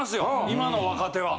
今の若手は。